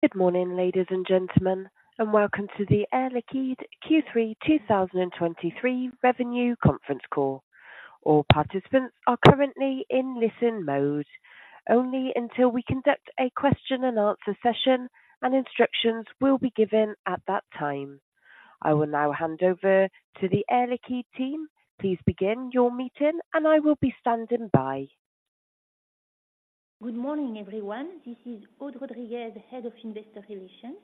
Good morning, ladies and gentlemen, and welcome to the Air Liquide Q3 2023 Revenue Conference Call. All participants are currently in listen mode only until we conduct a question and answer session, and instructions will be given at that time. I will now hand over to the Air Liquide team. Please begin your meeting, and I will be standing by. Good morning, everyone. This is Aude Rodriguez, Head of Investor Relations.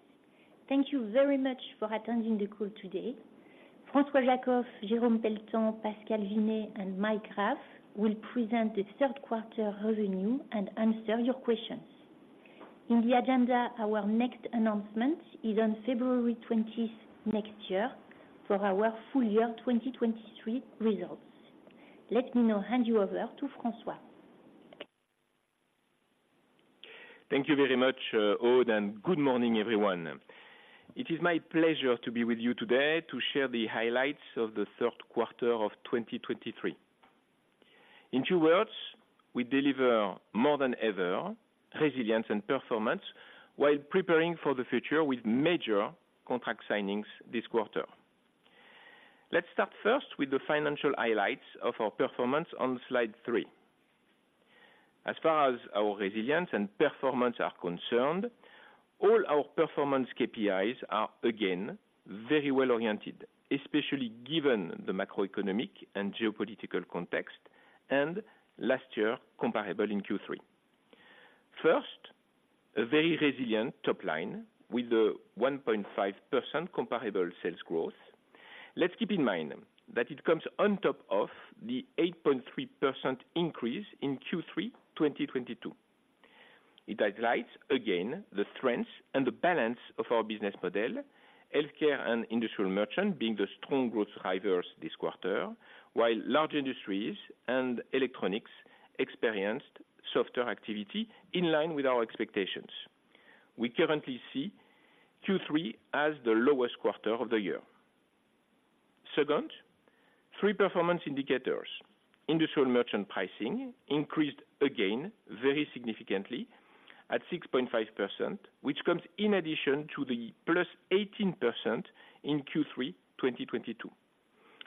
Thank you very much for attending the call today. François Jackow, Jérôme Pelletan, Pascal Vinet, and Mike Graff will present the third quarter revenue and answer your questions. In the agenda, our next announcement is on February 20th next year for our full year 2023 results. Let me now hand you over to François. Thank you very much, Aude, and good morning, everyone. It is my pleasure to be with you today to share the highlights of the third quarter of 2023. In two words, we deliver more than ever, resilience and performance, while preparing for the future with major contract signings this quarter. Let's start first with the financial highlights of our performance on slide three. As far as our resilience and performance are concerned, all our performance KPIs are, again, very well-oriented, especially given the macroeconomic and geopolitical context, and last year comparable in Q3. First, a very resilient top line with the 1.5% comparable sales growth. Let's keep in mind that it comes on top of the 8.3% increase in Q3 2022. It highlights again the strengths and the balance of our business model, Healthcare and Industrial Merchant being the strong growth drivers this quarter, while Large Industries and Electronics experienced softer activity in line with our expectations. We currently see Q3 as the lowest quarter of the year. Second, three performance indicators. Industrial Merchant pricing increased again very significantly at 6.5%, which comes in addition to the +18% in Q3 2022.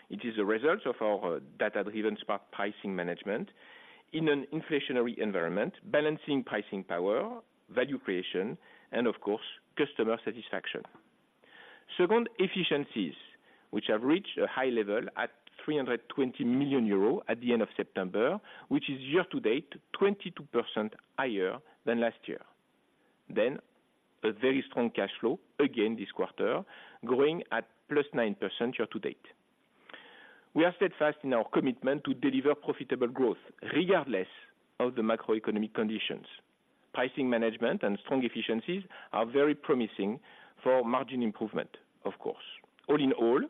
It is a result of our data-driven spot pricing management in an inflationary environment, balancing pricing power, value creation, and of course, customer satisfaction. Second, efficiencies, which have reached a high level at 320 million euros at the end of September, which is year to date, 22% higher than last year. Then, a very strong cash flow again this quarter, growing at +9% year to date. We are steadfast in our commitment to deliver profitable growth, regardless of the macroeconomic conditions. Pricing management and strong efficiencies are very promising for margin improvement, of course. All in all,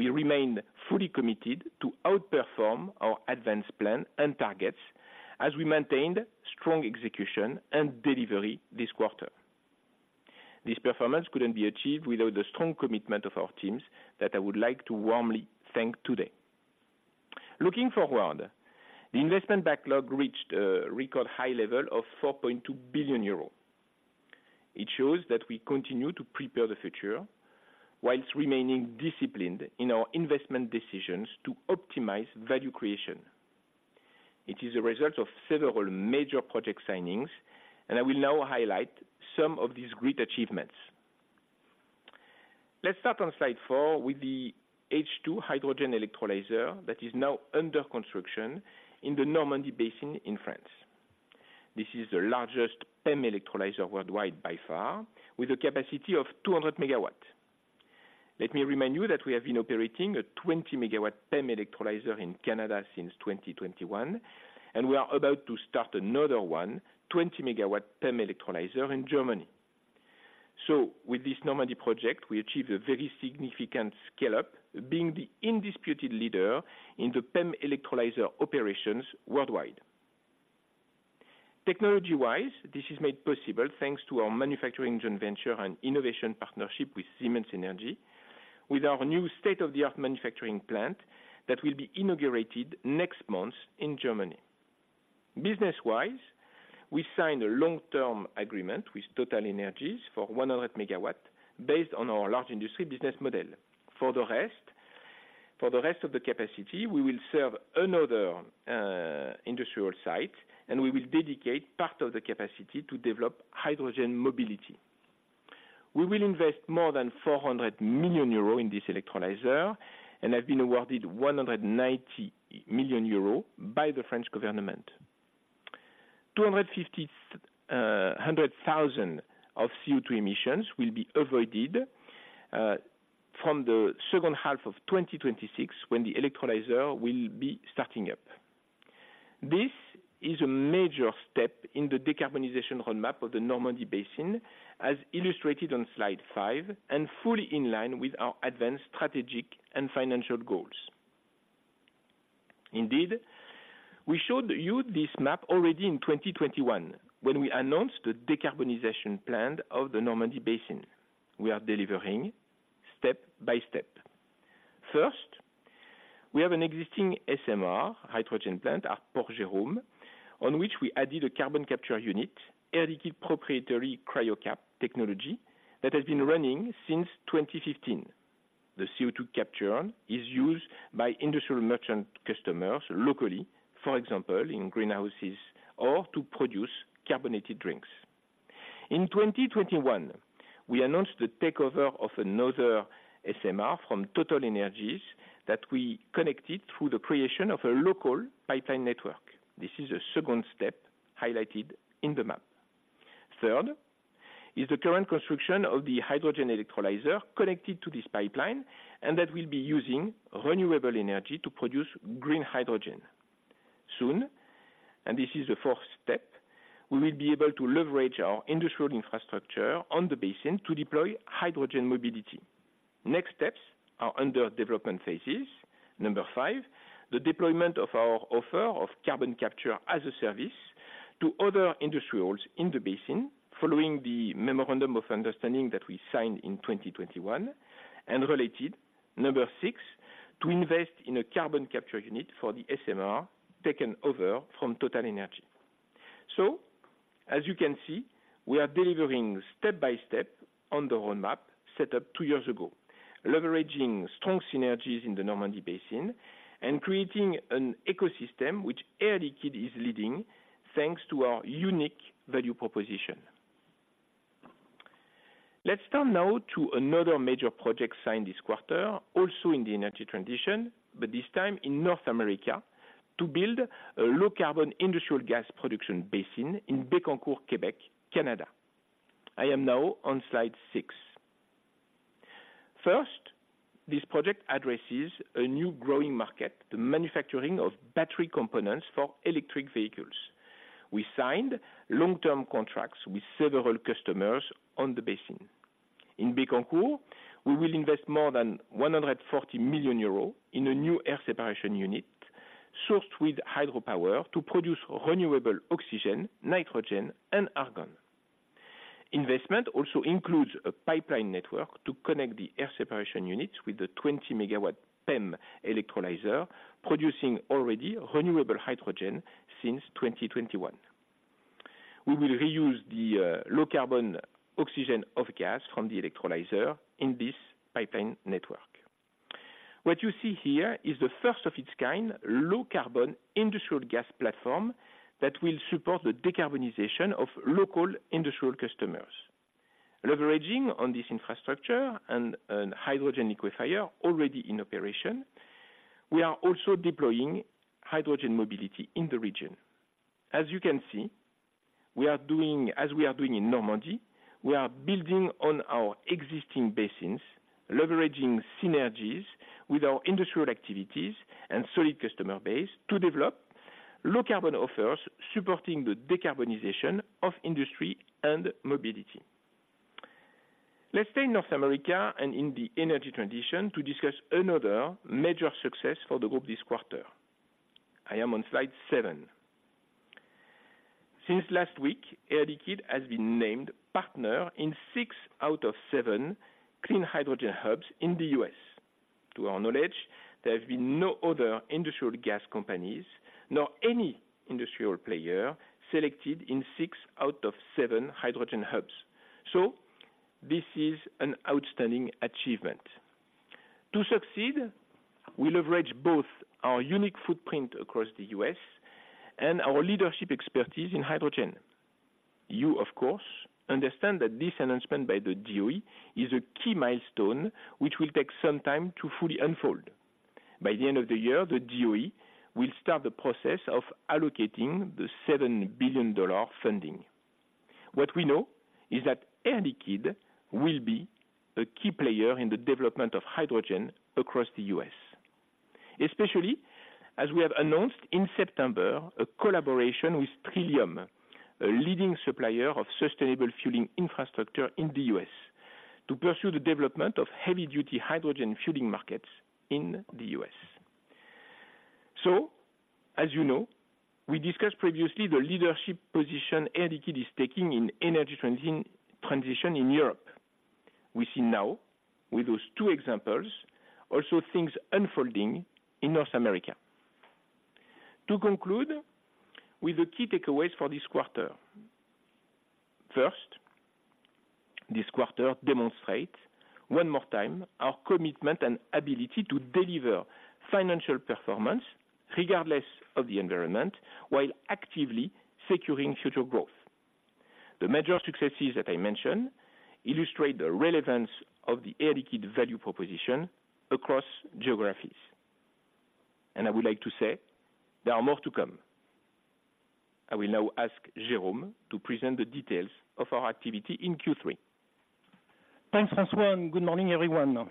we remain fully committed to outperform our Advanced plan and targets as we maintained strong execution and delivery this quarter. This performance couldn't be achieved without the strong commitment of our teams that I would like to warmly thank today. Looking forward, the investment backlog reached a record high level of 4.2 billion euros. It shows that we continue to prepare the future whilst remaining disciplined in our investment decisions to optimize value creation. It is a result of several major project signings, and I will now highlight some of these great achievements. Let's start on slide 4 with the H2 hydrogen electrolyzer that is now under construction in the Normandy Basin in France. This is the largest PEM electrolyzer worldwide by far, with a capacity of 200 MW. Let me remind you that we have been operating a 20 MW PEM electrolyzer in Canada since 2021, and we are about to start another one, 20 MW PEM electrolyzer in Germany. So with this Normandy project, we achieve a very significant scale-up, being the undisputed leader in the PEM electrolyzer operations worldwide. Technology-wise, this is made possible thanks to our manufacturing joint venture and innovation partnership with Siemens Energy, with our new state-of-the-art manufacturing plant that will be inaugurated next month in Germany. Business-wise, we signed a long-term agreement with TotalEnergies for 100 MW based on our Large Industries business model. For the rest, for the rest of the capacity, we will serve another, industrial site, and we will dedicate part of the capacity to develop hydrogen mobility. We will invest more than 400 million euro in this electrolyzer and have been awarded 190 million euro by the French government. 250,000 tonnes of CO2 emissions will be avoided from the second half of 2026, when the electrolyzer will be starting up. This is a major step in the decarbonization roadmap of the Normandy Basin, as illustrated on slide 5, and fully in line with our ADVANCE strategic and financial goals. Indeed, we showed you this map already in 2021 when we announced the decarbonization plan of the Normandy Basin. We are delivering step by step. We have an existing SMR hydrogen plant at Port-Jérôme, on which we added a carbon capture unit, Air Liquide proprietary Cryocap technology, that has been running since 2015. The CO2 capture is used by Industrial Merchant customers locally, for example, in greenhouses or to produce carbonated drinks. In 2021, we announced the takeover of another SMR from TotalEnergies that we connected through the creation of a local pipeline network. This is a second step highlighted in the map. Third is the current construction of the hydrogen electrolyzer connected to this pipeline, and that will be using renewable energy to produce green hydrogen. Soon, and this is the fourth step, we will be able to leverage our industrial infrastructure on the basin to deploy hydrogen mobility. Next steps are under development phases. Number 5, the deployment of our offer of carbon capture as a service to other industrials in the basin, following the memorandum of understanding that we signed in 2021, and related, number 6, to invest in a carbon capture unit for the SMR taken over from TotalEnergies. So, as you can see, we are delivering step by step on the roadmap set up two years ago, leveraging strong synergies in the Normandy Basin and creating an ecosystem which Air Liquide is leading, thanks to our unique value proposition. Let's turn now to another major project signed this quarter, also in the energy transition, but this time in North America, to build a low-carbon industrial gas production basin in Bécancour, Quebec, Canada. I am now on slide 6. First, this project addresses a new growing market, the manufacturing of battery components for electric vehicles. We signed long-term contracts with several customers on the basin. In Bécancour, we will invest more than 140 million euros in a new air separation unit, sourced with hydropower to produce renewable oxygen, nitrogen, and argon. Investment also includes a pipeline network to connect the air separation units with the 20-megawatt PEM electrolyzer, producing already renewable hydrogen since 2021. We will reuse the low-carbon oxygen off gas from the electrolyzer in this pipeline network. What you see here is the first of its kind, low-carbon industrial gas platform that will support the decarbonization of local industrial customers. Leveraging on this infrastructure and an hydrogen liquefier already in operation, we are also deploying hydrogen mobility in the region. As you can see, we are doing as we are doing in Normandy, we are building on our existing basins, leveraging synergies with our industrial activities and solid customer base to develop low-carbon offers, supporting the decarbonization of industry and mobility. Let's stay in North America and in the energy transition to discuss another major success for the group this quarter. I am on slide 7. Since last week, Air Liquide has been named partner in 6 out of 7 clean hydrogen hubs in the U.S. To our knowledge, there have been no other industrial gas companies, nor any industrial player selected in 6 out of 7 hydrogen hubs. So this is an outstanding achievement. To succeed, we leverage both our unique footprint across the U.S. and our leadership expertise in hydrogen. You, of course, understand that this announcement by the DOE is a key milestone, which will take some time to fully unfold. By the end of the year, the DOE will start the process of allocating the $7 billion funding. What we know is that Air Liquide will be a key player in the development of hydrogen across the U.S., especially as we have announced in September, a collaboration with Trillium, a leading supplier of sustainable fueling infrastructure in the U.S., to pursue the development of heavy-duty hydrogen fueling markets in the U.S. So, as you know, we discussed previously the leadership position Air Liquide is taking in energy transition in Europe. We see now, with those two examples, also things unfolding in North America. To conclude, with the key takeaways for this quarter. First, this quarter demonstrate, one more time, our commitment and ability to deliver financial performance regardless of the environment, while actively securing future growth. The major successes that I mentioned illustrate the relevance of the Air Liquide value proposition across geographies. I would like to say, there are more to come. I will now ask Jérôme to present the details of our activity in Q3. Thanks, François, and good morning, everyone.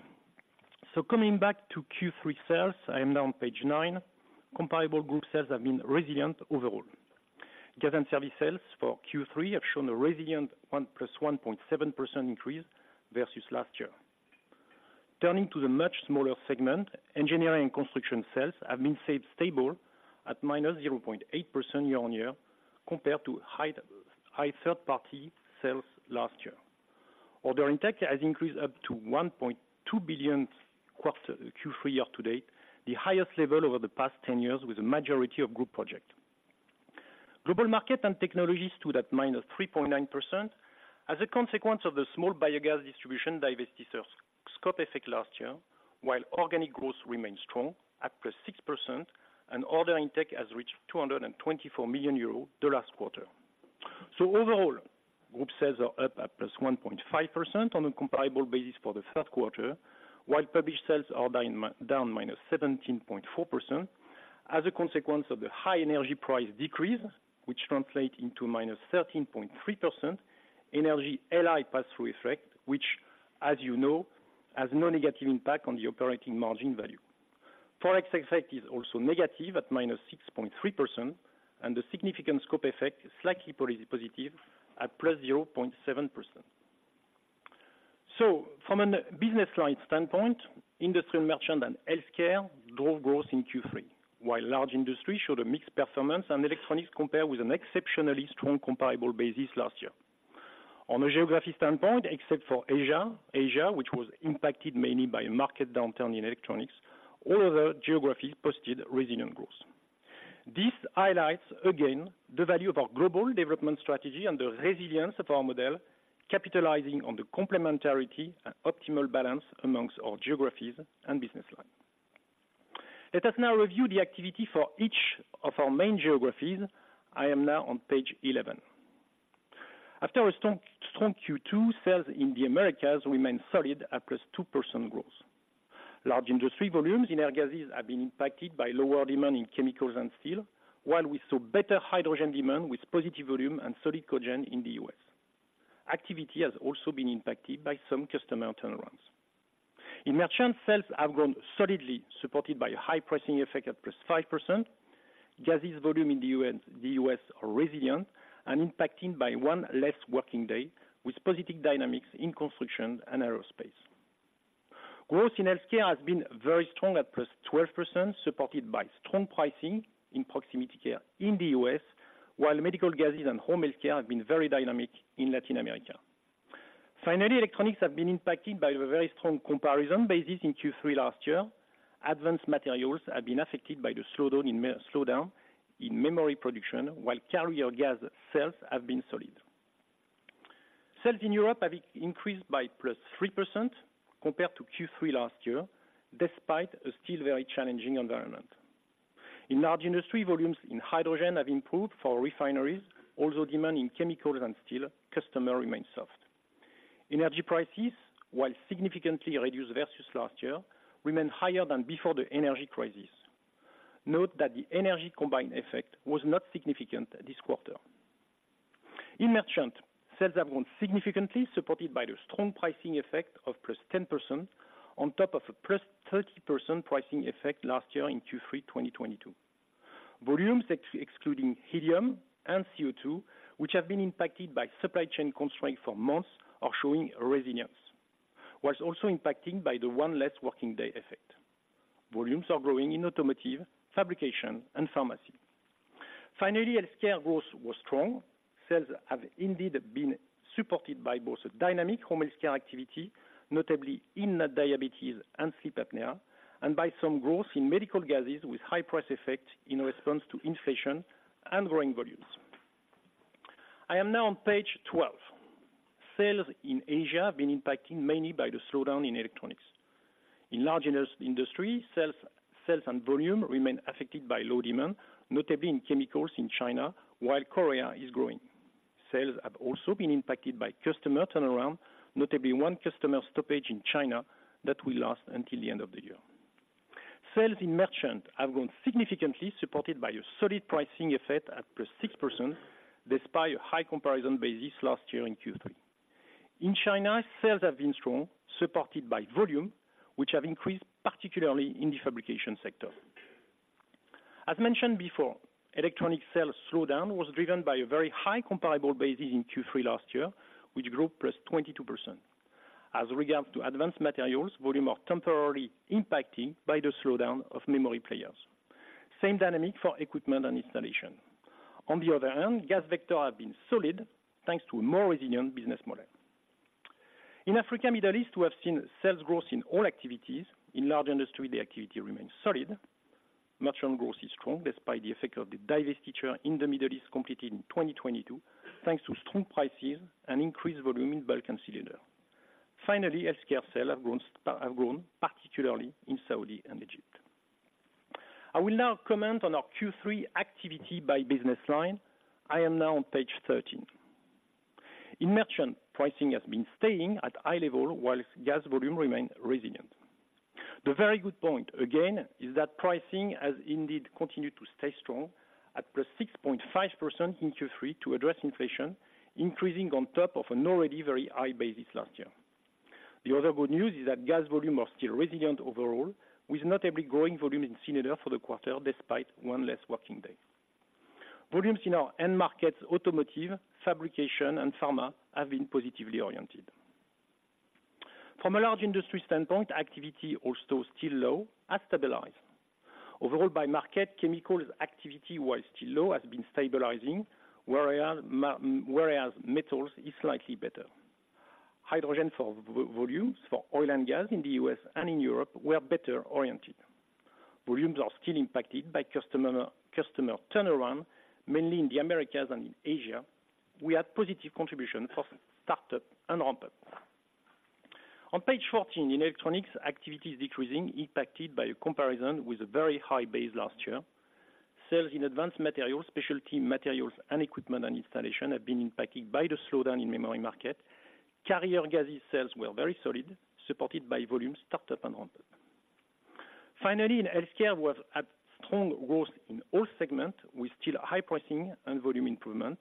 So coming back to Q3 sales, I am now on page 9. Comparable group sales have been resilient overall. Gas and service sales for Q3 have shown a resilient 1 + 1.7% increase versus last year. Turning to the much smaller segment, Engineering & Construction sales have stayed stable at -0.8% year-on-year, compared to high third-party sales last year. Order intake has increased up to 1.2 billion EUR quarter, Q3 year-to-date, the highest level over the past 10 years, with a majority of Group projects. Global Markets and Technologies stood at -3.9%, as a consequence of the small biogas distribution divestiture scope effect last year, while organic growth remains strong at +6%, and order intake has reached 224 million euros the last quarter. So overall, group sales are up at +1.5% on a comparable basis for the third quarter, while published sales are down, down -17.4%. As a consequence of the high energy price decrease, which translate into -13.3%, energy LI pass-through effect, which, as you know, has no negative impact on the operating margin value. Forex effect is also negative at -6.3%, and the significant scope effect is slightly positive at +0.7%. So from a business line standpoint, Industrial Merchant and Healthcare drove growth in Q3, while Large Industries showed a mixed performance, and Electronics compared with an exceptionally strong comparable basis last year. On a geography standpoint, except for Asia, Asia, which was impacted mainly by market downturn in Electronics, all other geographies posted resilient growth. This highlights, again, the value of our global development strategy and the resilience of our model, capitalizing on the complementarity and optimal balance among our geographies and business line. Let us now review the activity for each of our main geographies. I am now on page 11. After a strong, strong Q2, sales in the Americas remained solid at +2% growth. Large Industries volumes in air gases have been impacted by lower demand in chemicals and steel, while we saw better hydrogen demand with positive volume and solid cogen in the U.S. Activity has also been impacted by some customer turnarounds. In Merchant, sales have grown solidly, supported by high pricing effect at +5%. Gases volume in the U.S., the U.S. are resilient and impacted by one less working day, with positive dynamics in construction and aerospace. Growth in Healthcare has been very strong at +12%, supported by strong pricing in proximity care in the U.S., while Medical Gases and Home Healthcare have been very dynamic in Latin America. Finally, Electronics have been impacted by a very strong comparison basis in Q3 last year. Advanced Materials have been affected by the slowdown in slowdown in memory production, while Carrier Gases sales have been solid. Sales in Europe have increased by +3% compared to Q3 last year, despite a still very challenging environment. In Large Industries, volumes in hydrogen have improved for refineries, although demand in chemicals and steel customer remains soft. Energy prices, while significantly reduced versus last year, remain higher than before the energy crisis. Note that the energy combined effect was not significant this quarter. In Merchant, sales have grown significantly, supported by the strong pricing effect of +10% on top of a +30% pricing effect last year in Q3 2022. Volumes excluding helium and CO2, which have been impacted by supply chain constraints for months, are showing resilience, while also impacted by the one less working day effect. Volumes are growing in automotive, fabrication, and pharmacy. Finally, Healthcare growth was strong. Sales have indeed been supported by both a dynamic Home Healthcare activity, notably in diabetes and sleep apnea, and by some growth in Medical Gases with high price effect in response to inflation and growing volumes. I am now on page 12. Sales in Asia have been impacted mainly by the slowdown in Electronics. In Large Industries, sales and volume remain affected by low demand, notably in chemicals in China, while Korea is growing. Sales have also been impacted by customer turnaround, notably one customer stoppage in China that will last until the end of the year. Sales in Merchant have grown significantly, supported by a solid pricing effect at +6%, despite a high comparison basis last year in Q3. In China, sales have been strong, supported by volume, which have increased particularly in the fabrication sector. As mentioned before, Electronics sales slowdown was driven by a very high comparable basis in Q3 last year, which grew +22%. As regards to Advanced Materials, volume are temporarily impacted by the slowdown of memory players. Same dynamic for Equipment & Installation. On the other hand, Carrier Gases have been solid thanks to a more resilient business model. In Africa, Middle East, we have seen sales growth in all activities. In Large Industries, the activity remains solid. Merchant growth is strong, despite the effect of the divestiture in the Middle East, completed in 2022, thanks to strong prices and increased volume in bulk and cylinder. Finally, Healthcare sales have grown, have grown, particularly in Saudi and Egypt. I will now comment on our Q3 activity by business line. I am now on page 13. In Merchant, pricing has been staying at high level, while gas volume remains resilient. The very good point, again, is that pricing has indeed continued to stay strong at +6.5% in Q3 to address inflation, increasing on top of an already very high basis last year. The other good news is that gas volume are still resilient overall, with notably growing volume in cylinder for the quarter despite one less working day. Volumes in our end markets, automotive, fabrication, and pharma, have been positively oriented.... From a Large Industries standpoint, activity also still low, has stabilized. Overall by market, chemicals activity while still low, has been stabilizing, whereas metals is slightly better. Hydrogen for volumes for oil and gas in the U.S. and in Europe were better oriented. Volumes are still impacted by customer turnaround, mainly in the Americas and in Asia. We had positive contribution for startup and ramp-up. On page 14, in Electronics, activity is decreasing, impacted by a comparison with a very high base last year. Sales in Advanced Materials, Specialty Materials, and Equipment & Installation have been impacted by the slowdown in memory market. Carrier gases sales were very solid, supported by volume startup and ramp-up. Finally, in Healthcare, we have a strong growth in all segment, with still high pricing and volume improvement.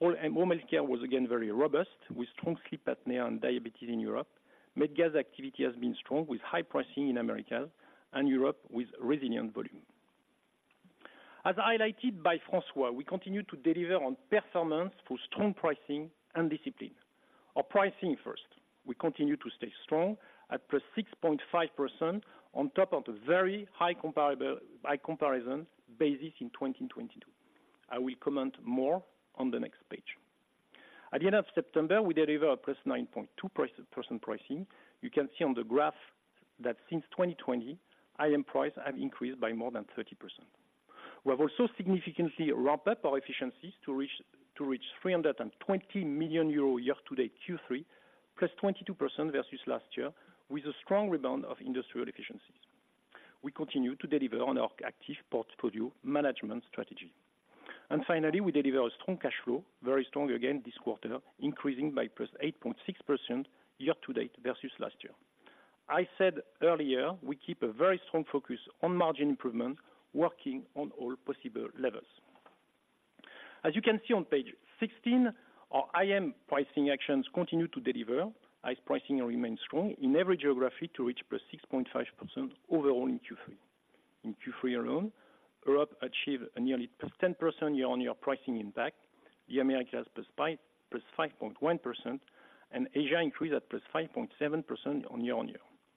And all Home Healthcare was again very robust, with strong sleep apnea and diabetes in Europe. Med Gas activity has been strong, with high pricing in Americas and Europe, with resilient volume. As highlighted by François, we continue to deliver on performance through strong pricing and discipline. Our pricing first, we continue to stay strong at +6.5% on top of the very high comparable, high comparison basis in 2022. I will comment more on the next page. At the end of September, we delivered a +9.2% pricing. You can see on the graph that since 2020, IM price have increased by more than 30%. We have also significantly ramped up our efficiencies to reach 320 million euro year-to-date Q3, +22% versus last year, with a strong rebound of industrial efficiencies. We continue to deliver on our active portfolio management strategy. Finally, we deliver a strong cash flow, very strong again this quarter, increasing by +8.6% year-to-date versus last year. I said earlier, we keep a very strong focus on margin improvement, working on all possible levels. As you can see on page 16, our IM pricing actions continue to deliver, as pricing remains strong in every geography to reach +6.5% overall in Q3. In Q3 alone, Europe achieved a nearly +10% year-on-year pricing impact, the Americas +5, +5.1%, and Asia increased at +5.7% on year-on-year.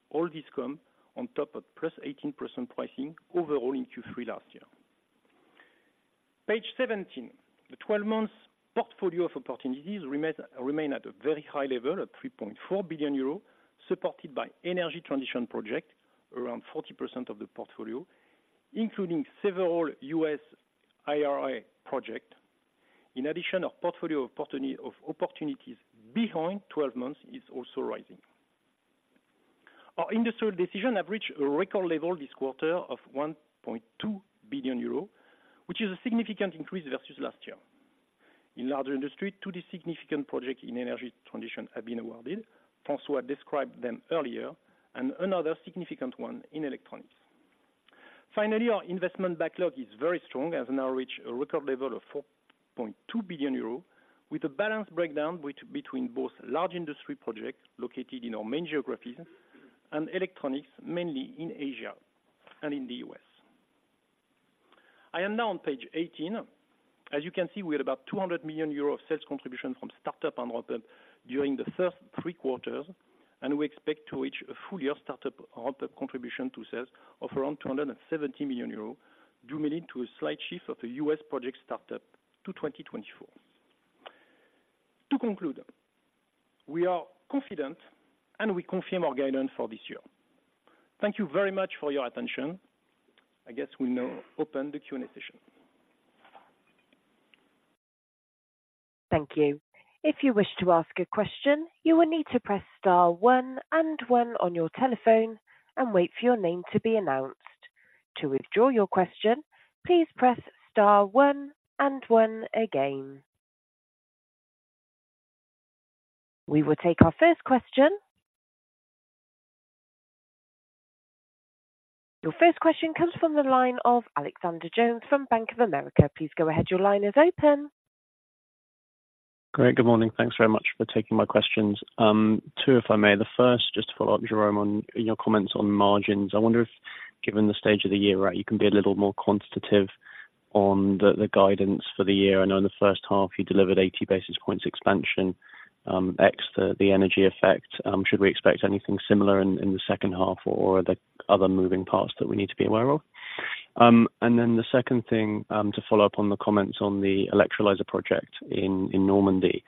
All this come on top of +18% pricing overall in Q3 last year. Page 17. The 12-month portfolio of opportunities remains at a very high level, at 3.4 billion euro, supported by energy transition projects, around 40% of the portfolio, including several U.S. IRA projects. In addition, our portfolio of opportunities beyond 12 months is also rising. Our industrial decisions have reached a record level this quarter of 1.2 billion euro, which is a significant increase versus last year. In Large Industries, two significant projects in energy transition have been awarded. François described them earlier, and another significant one in Electronics. Finally, our investment backlog is very strong, has now reached a record level of 4.2 billion euro, with a balanced breakdown between both Large Industries projects located in our main geographies and Electronics, mainly in Asia and in the U.S. I am now on page 18. As you can see, we had about 200 million euros of sales contribution from startup and ramp-up during the first three quarters, and we expect to reach a full year startup ramp-up contribution to sales of around 270 million euros, due mainly to a slight shift of the U.S. project startup to 2024. To conclude, we are confident, and we confirm our guidance for this year. Thank you very much for your attention. I guess we now open the Q&A session. Thank you. If you wish to ask a question, you will need to press star one and one on your telephone and wait for your name to be announced. To withdraw your question, please press star one and one again. We will take our first question. Your first question comes from the line of Alexander Jones from Bank of America. Please go ahead, your line is open. Great, good morning. Thanks very much for taking my questions. Two, if I may. The first, just to follow up, Jérôme, on your comments on margins. I wonder if, given the stage of the year, right, you can be a little more quantitative on the guidance for the year. I know in the first half, you delivered 80 basis points expansion, ex the energy effect. Should we expect anything similar in the second half, or are there other moving parts that we need to be aware of? And then the second thing, to follow up on the comments on the electrolyzer project in Normandy.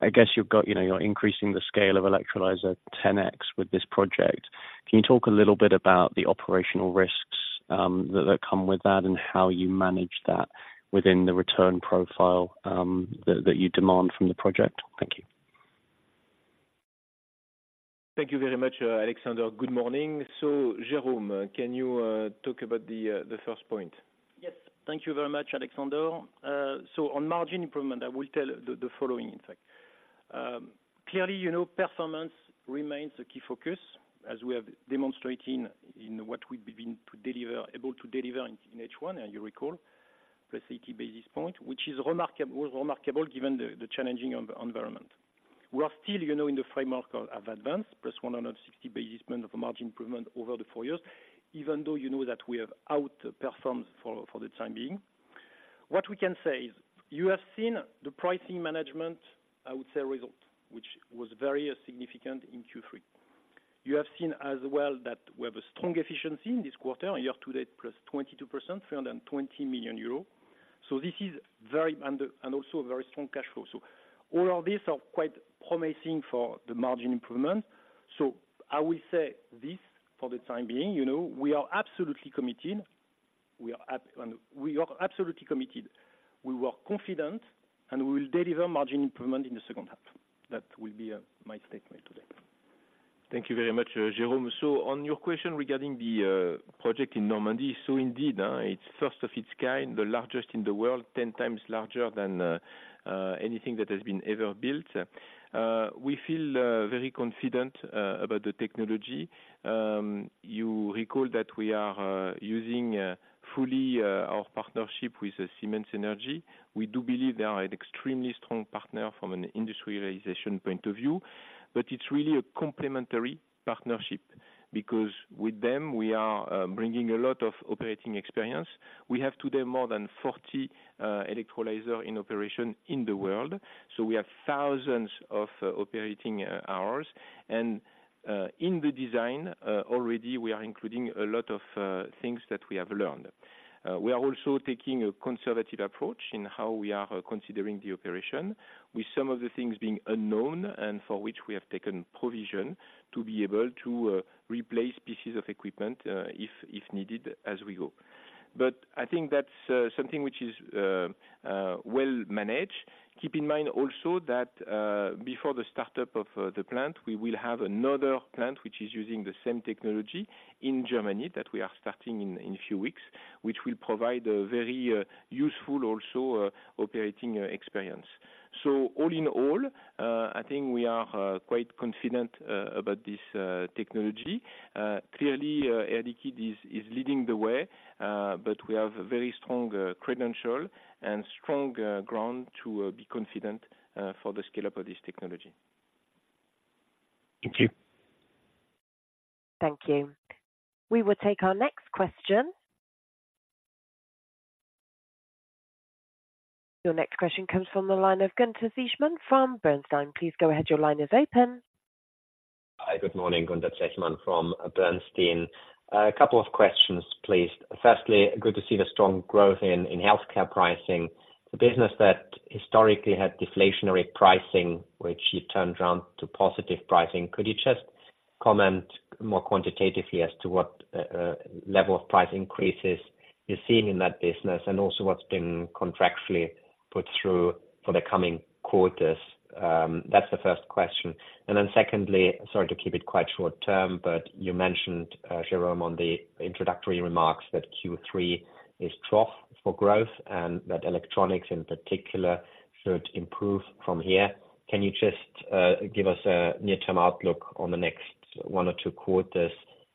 I guess you've got, you know, you're increasing the scale of electrolyzer 10x with this project. Can you talk a little bit about the operational risks that come with that, and how you manage that within the return profile that you demand from the project? Thank you. Thank you very much, Alexander. Good morning. So, Jérôme, can you talk about the first point? Yes, thank you very much, Alexander. So on margin improvement, I will tell the following, in fact. Clearly, you know, performance remains a key focus, as we have demonstrating in what we've been able to deliver in H1, and you recall, plus 80 basis points, which is remarkable, remarkable, given the challenging environment. We are still, you know, in the framework of ADVANCE, plus 160 basis points of margin improvement over the four years, even though you know that we have outperformed for the time being. What we can say is, you have seen the pricing management, I would say, result, which was very significant in Q3. You have seen as well that we have a strong efficiency in this quarter, year to date, +22%, 320 million euros. So this is very strong cash flow. So all of these are quite promising for the margin improvement. So I will say this for the time being, you know, we are absolutely committed. We were confident, and we will deliver margin improvement in the second half. That will be my statement today. Thank you very much, Jérôme. So on your question regarding the project in Normandy, so indeed, it's first of its kind, the largest in the world, 10 times larger than anything that has been ever built. We feel very confident about the technology. You recall that we are using fully our partnership with Siemens Energy. We do believe they are an extremely strong partner from an industry realization point of view, but it's really a complementary partnership, because with them, we are bringing a lot of operating experience. We have today more than 40 electrolyzer in operation in the world, so we have thousands of operating hours. And in the design already we are including a lot of things that we have learned. We are also taking a conservative approach in how we are considering the operation, with some of the things being unknown and for which we have taken provision to be able to replace pieces of equipment if needed, as we go. But I think that's something which is well managed. Keep in mind also that before the startup of the plant, we will have another plant, which is using the same technology in Germany, that we are starting in a few weeks, which will provide a very useful, also, operating experience. So all in all, I think we are quite confident about this technology. Clearly, Air Liquide is leading the way, but we have very strong credentials and strong grounds to be confident for the scale up of this technology. Thank you. Thank you. We will take our next question. Your next question comes from the line of Gunther Zechmann from Bernstein. Please go ahead. Your line is open. Hi, good morning, Gunther Zechmann from Bernstein. A couple of questions, please. Firstly, good to see the strong growth in Healthcare pricing. The business that historically had deflationary pricing, which you turned around to positive pricing, could you just comment more quantitatively as to what level of price increases you're seeing in that business, and also what's been contractually put through for the coming quarters? That's the first question. Then secondly, sorry to keep it quite short term, but you mentioned, Jérôme, on the introductory remarks, that Q3 is trough for growth and that Electronics in particular should improve from here. Can you just give us a near-term outlook on the next one or two quarters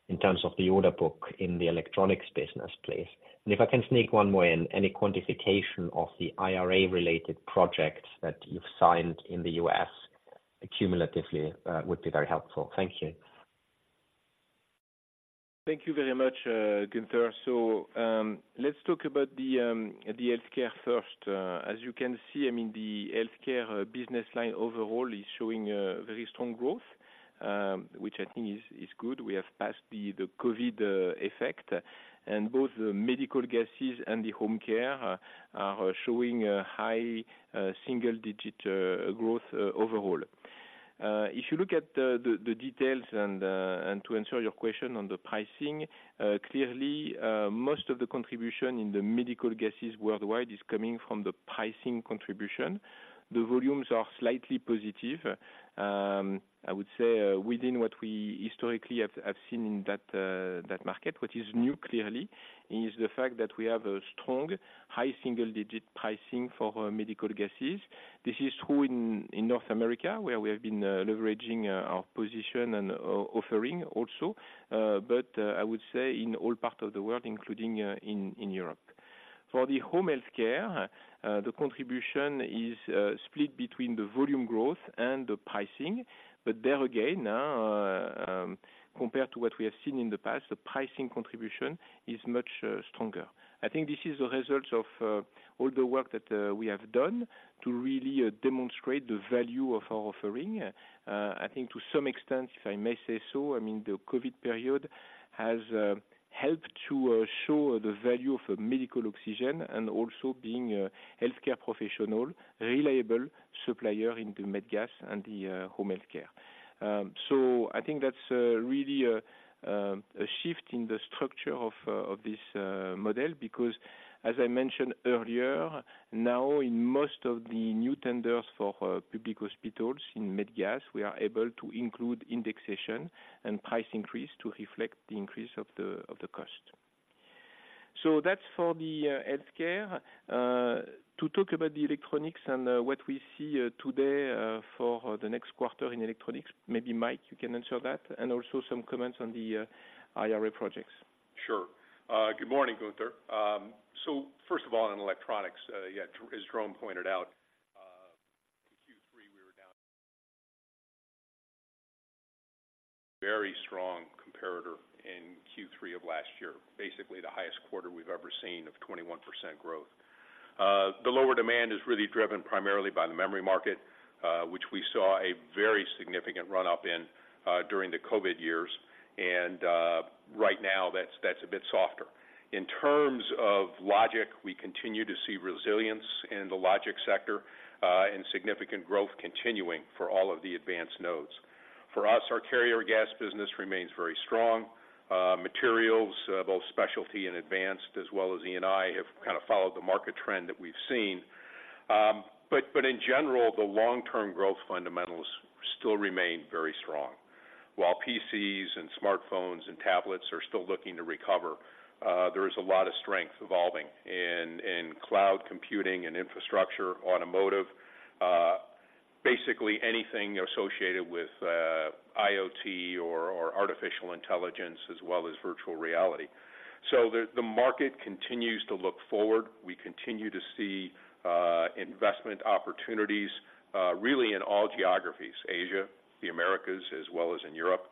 in terms of the order book in the Electronics business, please? If I can sneak one more in, any quantification of the IRA-related projects that you've signed in the U.S. cumulatively would be very helpful. Thank you. Thank you very much, Gunther. So, let's talk about the Healthcare first. As you can see, I mean, the Healthcare business line overall is showing very strong growth, which I think is good. We have passed the COVID effect, and both the Medical Gases and the home care are showing a high single digit growth overall. If you look at the details and to answer your question on the pricing, clearly, most of the contribution in the Medical Gases worldwide is coming from the pricing contribution. The volumes are slightly positive, I would say, within what we historically have seen in that market. What is new, clearly, is the fact that we have a strong high single digit pricing for Medical Gases. This is true in North America, where we have been leveraging our position and offering also, but I would say in all parts of the world, including in Europe. For the Home Healthcare, the contribution is split between the volume growth and the pricing. But there again, compared to what we have seen in the past, the pricing contribution is much stronger. I think this is the results of all the work that we have done to really demonstrate the value of our offering. I think to some extent, if I may say so, I mean, the COVID period has helped to show the value of medical oxygen and also being a Healthcare professional, reliable supplier in the Med Gas and the Home Healthcare. So I think that's really a shift in the structure of this model, because as I mentioned earlier, now, in most of the new tenders for public hospitals in Med Gas, we are able to include indexation and price increase to reflect the increase of the cost. So that's for the Healthcare. To talk about the Electronics and what we see today for the next quarter in Electronics, maybe, Mike, you can answer that, and also some comments on the IRA projects. Sure. Good morning, Gunther. So first of all, on Electronics, yeah, as Jérôme pointed out-... very strong comparator in Q3 of last year, basically the highest quarter we've ever seen of 21% growth. The lower demand is really driven primarily by the memory market, which we saw a very significant run-up in, during the COVID years. Right now, that's a bit softer. In terms of logic, we continue to see resilience in the logic sector, and significant growth continuing for all of the advanced nodes. For us, our Carrier Gases business remains very strong. Materials, both Specialty and ADVANCE, as well as E&I, have kind of followed the market trend that we've seen. But in general, the long-term growth fundamentals still remain very strong. While PCs and smartphones and tablets are still looking to recover, there is a lot of strength evolving in cloud computing and infrastructure, automotive, basically anything associated with IoT or artificial intelligence, as well as virtual reality. So the market continues to look forward. We continue to see investment opportunities really in all geographies, Asia, the Americas, as well as in Europe.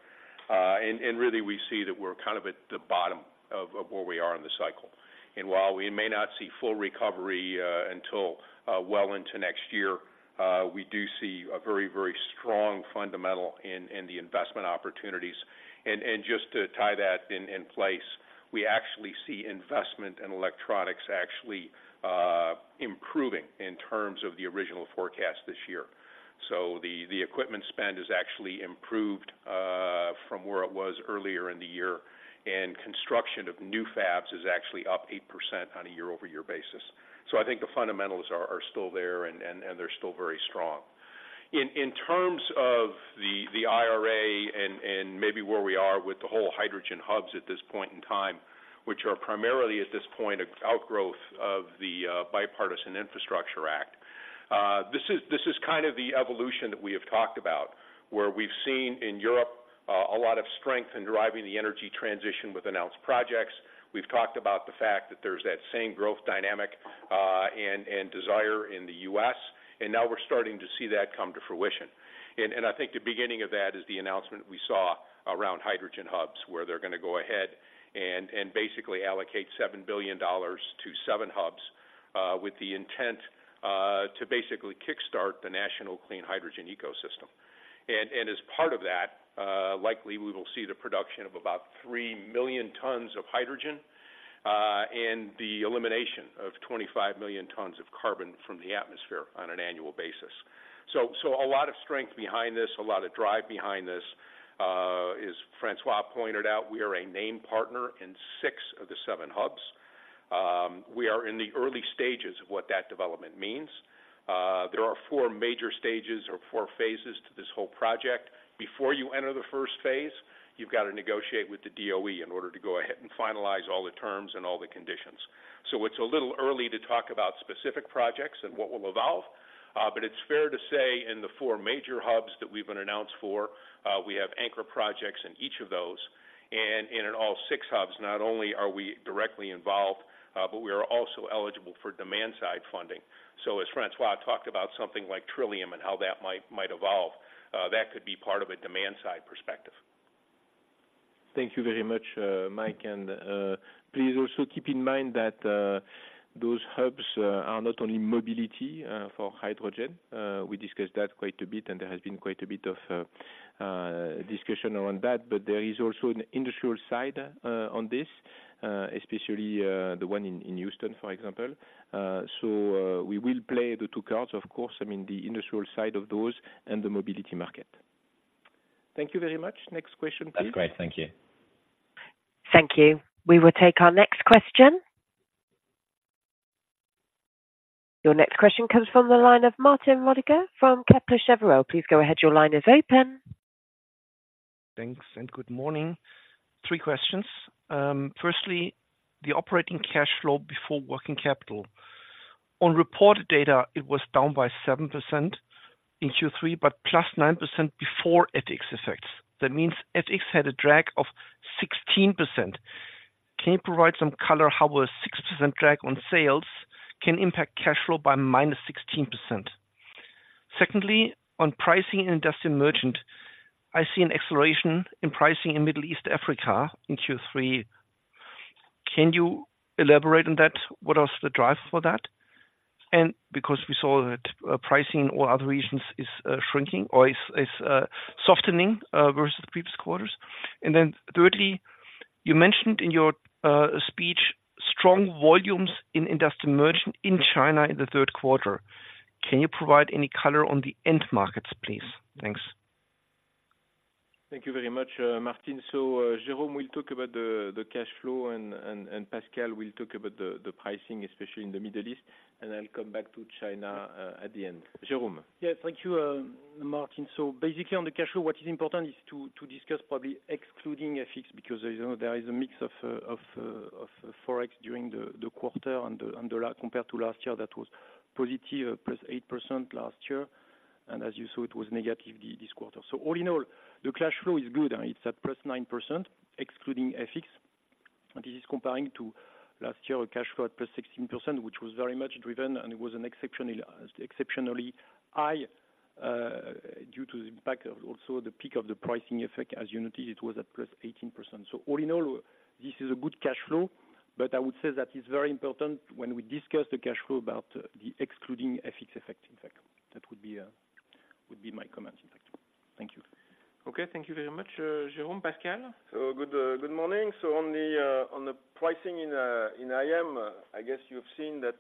Really, we see that we're kind of at the bottom of where we are in the cycle. And while we may not see full recovery until well into next year, we do see a very, very strong fundamental in the investment opportunities. And just to tie that in place, we actually see investment in Electronics actually improving in terms of the original forecast this year. So the equipment spend is actually improved from where it was earlier in the year, and construction of new fabs is actually up 8% on a year-over-year basis. So I think the fundamentals are still there, and they're still very strong. In terms of the IRA and maybe where we are with the whole hydrogen hubs at this point in time, which are primarily, at this point, an outgrowth of the Bipartisan Infrastructure Act. This is kind of the evolution that we have talked about, where we've seen in Europe a lot of strength in driving the energy transition with announced projects. We've talked about the fact that there's that same growth dynamic and desire in the US, and now we're starting to see that come to fruition. I think the beginning of that is the announcement we saw around hydrogen hubs, where they're going to go ahead and basically allocate $7 billion to seven hubs, with the intent to basically kickstart the national clean hydrogen ecosystem. And as part of that, likely we will see the production of about 3 million tons of hydrogen, and the elimination of 25 million tons of carbon from the atmosphere on an annual basis. So a lot of strength behind this, a lot of drive behind this. As François pointed out, we are a named partner in six of the seven hubs. We are in the early stages of what that development means. There are four major stages or four phases to this whole project. Before you enter the first phase, you've got to negotiate with the DOE in order to go ahead and finalize all the terms and all the conditions. So it's a little early to talk about specific projects and what will evolve, but it's fair to say in the four major hubs that we've been announced for, we have anchor projects in each of those. And in all six hubs, not only are we directly involved, but we are also eligible for demand-side funding. So as François talked about something like Trillium and how that might, might evolve, that could be part of a demand-side perspective. Thank you very much, Mike. Please also keep in mind that those hubs are not only mobility for hydrogen. We discussed that quite a bit, and there has been quite a bit of discussion around that. But there is also an industrial side on this, especially the one in Houston, for example. So, we will play the two cards, of course, I mean, the industrial side of those and the mobility market. Thank you very much. Next question, please. That's great. Thank you. Thank you. We will take our next question. Your next question comes from the line of Martin Roediger from Kepler Cheuvreux. Please go ahead. Your line is open. Thanks, and good morning. Three questions. Firstly, the operating cash flow before working capital. On reported data, it was down by 7% in Q3, but plus 9% before FX effects. That means FX had a drag of 16%. Can you provide some color how a 6% drag on sales can impact cash flow by minus 16%? Secondly, on pricing in Industrial Merchant, I see an acceleration in pricing in Middle East Africa in Q3. Can you elaborate on that? What was the driver for that? And because we saw that, pricing in all other regions is softening versus the previous quarters. And then thirdly, you mentioned in your speech, strong volumes in Industrial Merchant in China in the third quarter. Can you provide any color on the end markets, please? Thanks. Thank you very much, Martin. So, Jérôme will talk about the cash flow, and Pascal will talk about the pricing, especially in the Middle East. And I'll come back to China at the end. Jérôme? Yes, thank you, Martin. So basically, on the cash flow, what is important is to discuss probably excluding FX, because, you know, there is a mix of of Forex during the quarter and the compared to last year, that was positive, +8% last year, and as you saw, it was negative this quarter. So all in all, the cash flow is good, and it's at +9%, excluding FX, and this is comparing to last year, a cash flow at +16%, which was very much driven, and it was an exceptional, exceptionally high, due to the impact of also the peak of the pricing effect. As you noted, it was at +18%. So all in all, this is a good cash flow, but I would say that it's very important when we discuss the cash flow about the excluding FX effect, in fact. That would be, would be my comments, in fact. Thank you. Okay, thank you very much, Jérôme. Pascal? So good, good morning. So on the pricing in IM, I guess you've seen that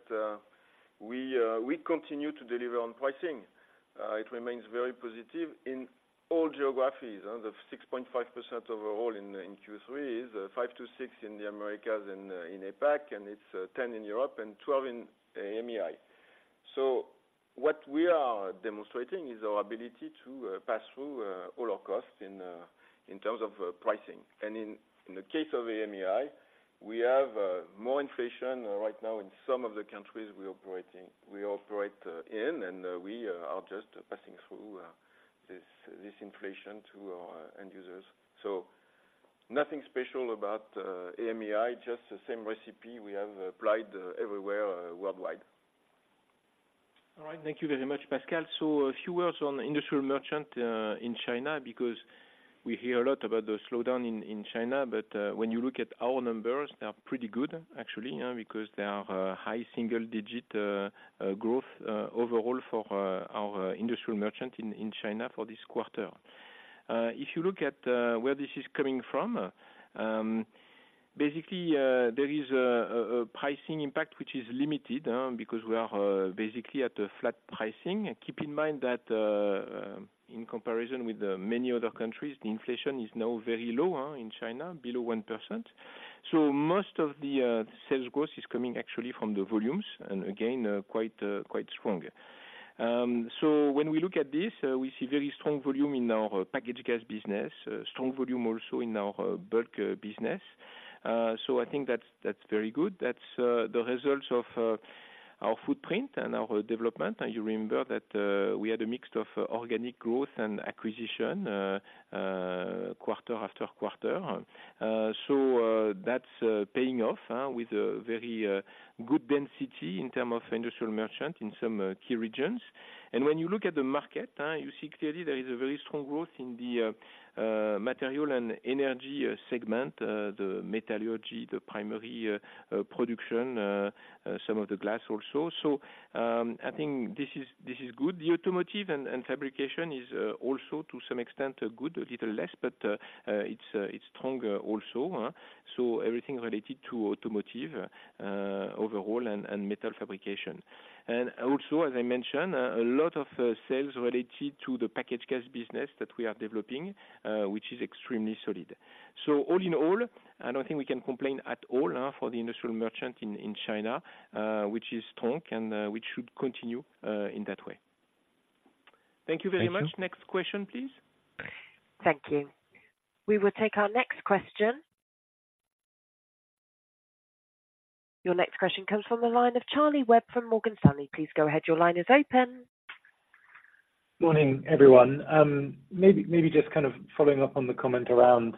we continue to deliver on pricing. It remains very positive in all geographies, and the 6.5% overall in Q3 is 5%-6% in the Americas and in APAC, and it's 10% in Europe and 12% in MEI. So what we are demonstrating is our ability to pass through all our costs in terms of pricing. And in the case of MEI, we have more inflation right now in some of the countries we operate in, and we are just passing through this inflation to our end users. So nothing special about MEI, just the same recipe we have applied everywhere worldwide. All right. Thank you very much, Pascal. So a few words on Industrial Merchant in China, because we hear a lot about the slowdown in China, but when you look at our numbers, they are pretty good, actually, because they are high single digit growth overall for our Industrial Merchant in China for this quarter. If you look at where this is coming from, basically, there is a pricing impact, which is limited, because we are basically at a flat pricing. And keep in mind that in comparison with many other countries, the inflation is now very low in China, below 1%. So most of the sales growth is coming actually from the volumes, and again, quite strong. So when we look at this, we see very strong volume in our packaged gas business, strong volume also in our bulk business. So I think that's very good. That's the results of our footprint and our development. And you remember that we had a mix of organic growth and acquisition quarter after quarter. So that's paying off with a very good density in term of Industrial Merchant in some key regions. And when you look at the market, you see clearly there is a very strong growth in the material and energy segment, the metallurgy, the primary production, some of the glass also. So, I think this is, this is good. The automotive and fabrication is also to some extent good, a little less, but it's stronger also. So everything related to automotive overall and metal fabrication. And also, as I mentioned, a lot of sales related to the packaged gas business that we are developing, which is extremely solid. So all in all, I don't think we can complain at all for the Industrial Merchant in China, which is strong and which should continue in that way. Thank you very much. Next question, please. Thank you. We will take our next question. Your next question comes from the line of Charlie Webb from Morgan Stanley. Please go ahead. Your line is open. Morning, everyone. Maybe just kind of following up on the comment around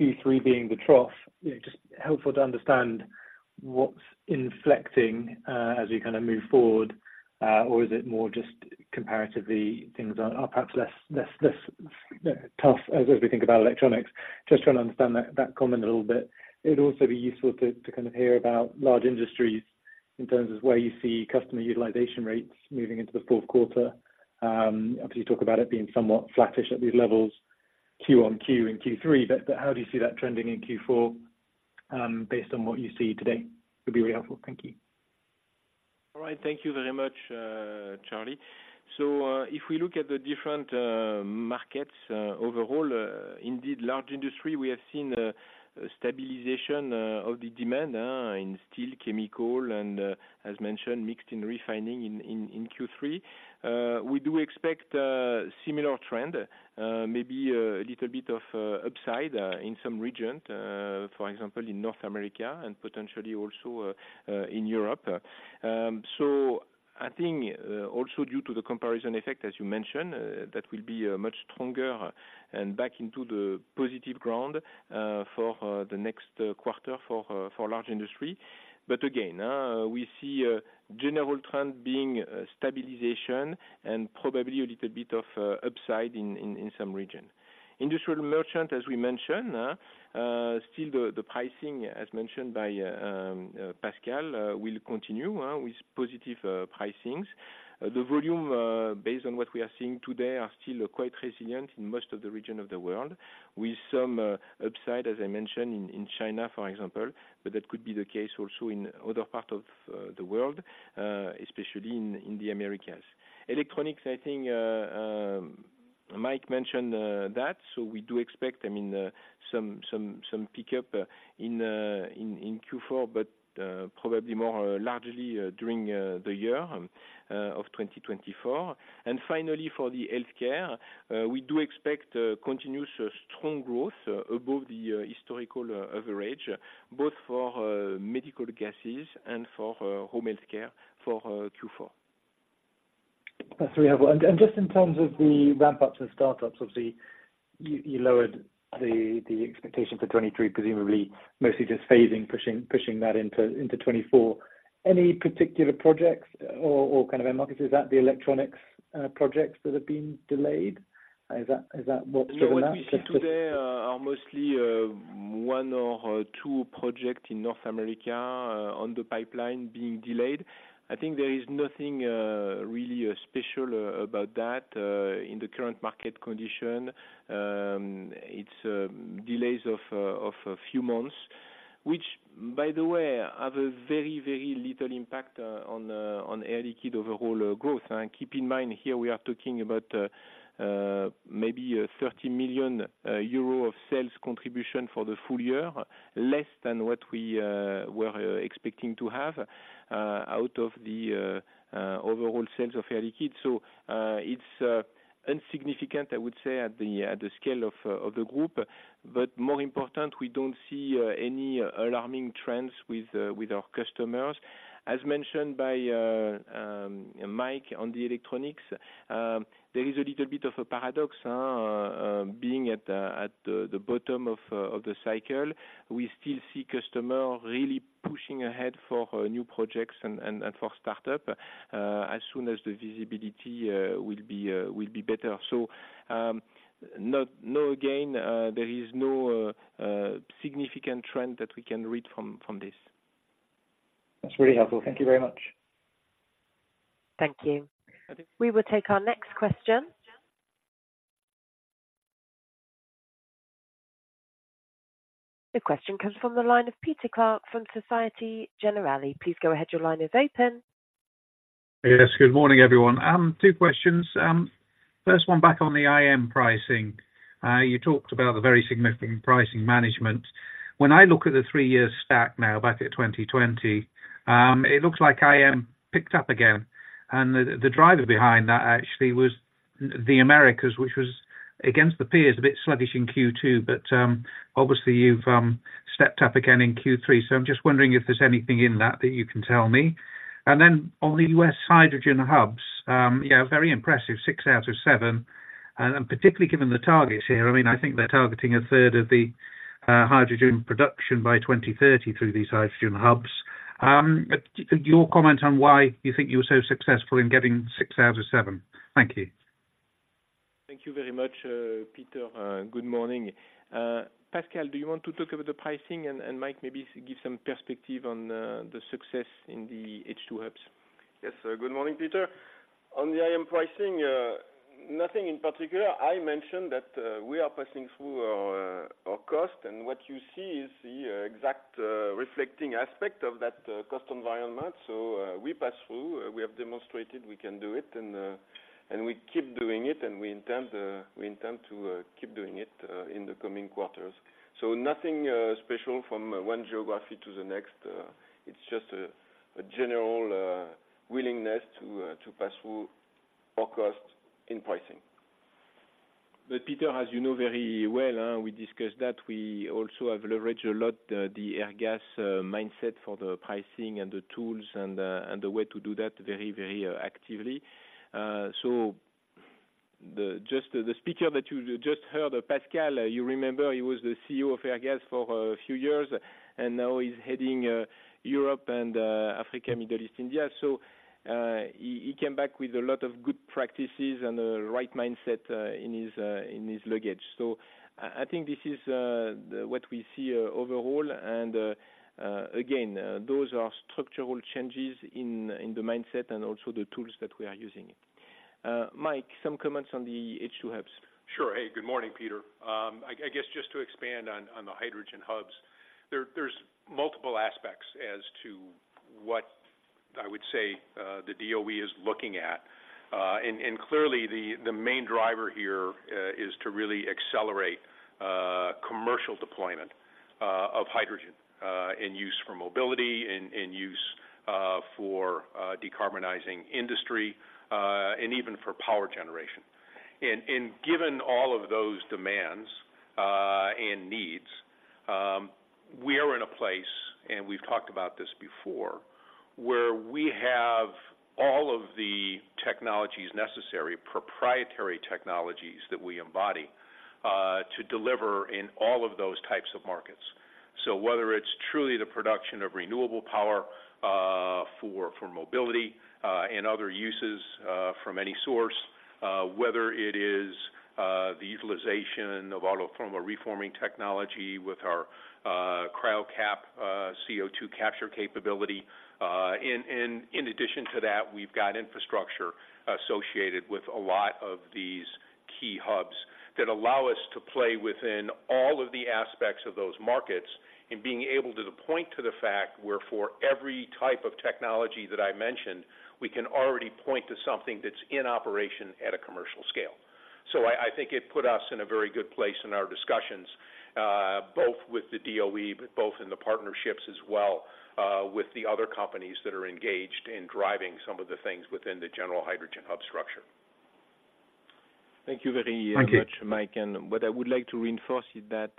Q3 being the trough. You know, just helpful to understand what's inflicting as we kind of move forward, or is it more just comparatively, things are perhaps less tough as we think about Electronics? Just trying to understand that comment a little bit. It'd also be useful to kind of hear about Large Industries in terms of where you see customer utilization rates moving into the fourth quarter. Obviously, you talk about it being somewhat flattish at these levels, Q on Q in Q3, but how do you see that trending in Q4, based on what you see today? Would be very helpful. Thank you. All right. Thank you very much, Charlie. So, if we look at the different markets overall, indeed, Large Industries, we have seen stabilization of the demand in steel, chemical, and, as mentioned, mixed in refining in Q3. We do expect similar trend, maybe a little bit of upside in some region, for example, in North America and potentially also in Europe. So I think, also due to the comparison effect, as you mentioned, that will be much stronger and back into the positive ground, for the next quarter for Large Industries. But again, we see a general trend being stabilization and probably a little bit of upside in some region. Industrial Merchant, as we mentioned, still, the pricing, as mentioned by Pascal, will continue with positive pricings. The volume, based on what we are seeing today, are still quite resilient in most of the region of the world, with some upside, as I mentioned, in China, for example, but that could be the case also in other parts of the world, especially in the Americas. Electronics, I think, Mike mentioned that, so we do expect, I mean, some pickup in Q4, but probably more largely during the year of 2024. And finally, for the Healthcare, we do expect a continuous strong growth above the historical average, both for Medical Gases and for Home Healthcare for Q4. ... That's very helpful. And just in terms of the ramp up to the startups, obviously, you lowered the expectation for 2023, presumably mostly just phasing, pushing that into 2024. Any particular projects or kind of markets? Is that the Electronics projects that have been delayed? Is that what we're- So what we see today are mostly one or two projects in North America on the pipeline being delayed. I think there is nothing really special about that in the current market condition. It's delays of a few months, which, by the way, have a very, very little impact on Air Liquide overall growth. And keep in mind, here, we are talking about maybe 30 million euro of sales contribution for the full year, less than what we were expecting to have out of the overall sales of Air Liquide. So it's insignificant, I would say, at the scale of the group. But more important, we don't see any alarming trends with our customers. As mentioned by Mike, on the Electronics, there is a little bit of a paradox being at the bottom of the cycle. We still see customers really pushing ahead for new projects and for startups as soon as the visibility will be better. So, no, again, there is no significant trend that we can read from this. That's really helpful. Thank you very much. Thank you. We will take our next question. The question comes from the line of Peter Clark from Société Générale. Please go ahead. Your line is open. Yes, good morning, everyone. Two questions. First one, back on the IM pricing. You talked about the very significant pricing management. When I look at the 3-year stack now, back at 2020, it looks like IM picked up again, and the driver behind that actually was the Americas, which was against the peers, a bit sluggish in Q2, but obviously you've stepped up again in Q3. So I'm just wondering if there's anything in that that you can tell me. And then on the U.S. hydrogen hubs, yeah, very impressive, 6 out of 7, and particularly given the targets here, I mean, I think they're targeting a third of the hydrogen production by 2030 through these hydrogen hubs. But your comment on why you think you were so successful in getting 6 out of 7? Thank you. Thank you very much, Peter. Good morning. Pascal, do you want to talk about the pricing? And Mike, maybe give some perspective on the success in the H2 hubs. Yes, good morning, Peter. On the IM pricing, nothing in particular. I mentioned that we are passing through our cost, and what you see is the exact reflecting aspect of that cost environment. So, we pass through. We have demonstrated we can do it, and we keep doing it, and we intend to keep doing it in the coming quarters. So nothing special from one geography to the next. It's just a general willingness to pass through our cost in pricing. But Peter, as you know very well, we discussed that. We also have leveraged a lot the Airgas mindset for the pricing and the tools and the way to do that very, very actively. So the speaker that you just heard, Pascal, you remember, he was the CEO of Airgas for a few years, and now he's heading Europe and Africa, Middle East, India. So he came back with a lot of good practices and the right mindset in his luggage. So I think this is what we see overall. And again, those are structural changes in the mindset and also the tools that we are using. Mike, some comments on the H2 hubs. Sure. Hey, good morning, Peter. I guess just to expand on the hydrogen hubs. There's multiple aspects as to what I would say the DOE is looking at. And clearly, the main driver here is to really accelerate commercial deployment of hydrogen in use for mobility and use for decarbonizing industry and even for power generation. And given all of those demands and needs, we are in a place, and we've talked about this before, where we have all of the technologies necessary, proprietary technologies that we embody to deliver in all of those types of markets. So whether it's truly the production of renewable power for mobility and other uses from any source, whether it is the utilization of autothermal reforming technology with our Cryocap CO2 capture capability. And in addition to that, we've got infrastructure associated with a lot of these key hubs that allow us to play within all of the aspects of those markets and being able to point to the fact where for every type of technology that I mentioned, we can already point to something that's in operation at a commercial scale. So I think it put us in a very good place in our discussions both with the DOE, but both in the partnerships as well with the other companies that are engaged in driving some of the things within the general hydrogen hub structure.... Thank you very much, Mike. And what I would like to reinforce is that,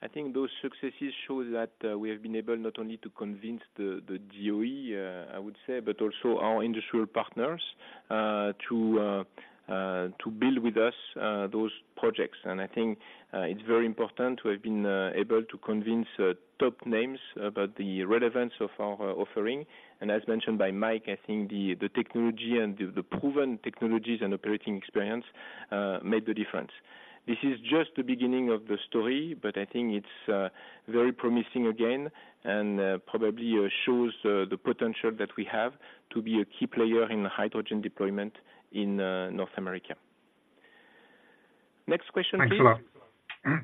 I think those successes show that, we have been able not only to convince the, the DOE, I would say, but also our industrial partners, to, to build with us, those projects. And I think, it's very important to have been, able to convince, top names about the relevance of our offering. And as mentioned by Mike, I think the, the technology and the, the proven technologies and operating experience, made the difference. This is just the beginning of the story, but I think it's, very promising again, and, probably shows, the potential that we have to be a key player in the hydrogen deployment in, North America. Next question, please. Thanks a lot.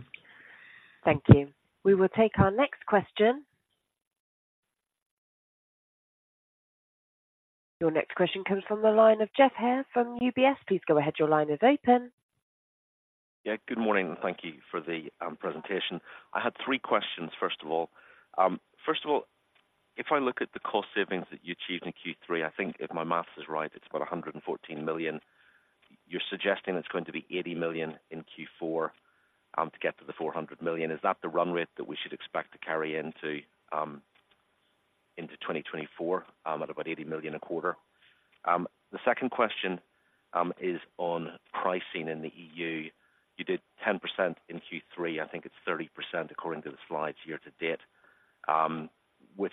Thank you. We will take our next question. Your next question comes from the line of Geoff Haire from UBS. Please go ahead. Your line is open. Yeah. Good morning, and thank you for the presentation. I had three questions, first of all. First of all, if I look at the cost savings that you achieved in Q3, I think if my math is right, it's about 114 million. You're suggesting it's going to be 80 million in Q4, to get to the 400 million. Is that the run rate that we should expect to carry into 2024, at about 80 million a quarter? The second question is on pricing in the EU. You did 10% in Q3. I think it's 30%, according to the slides, year to date. With